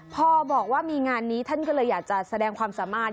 พอบอกว่ามีงานนี้ท่านก็เลยอยากจะแสดงความสามารถ